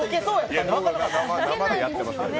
生でやってますからね。